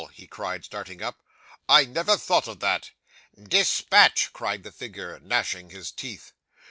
he cried, starting up; "I never thought of that." '"Dispatch," cried the figure, gnashing his teeth.